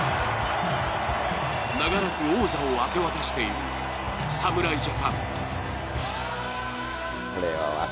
長らく王座を明け渡している侍ジャパン。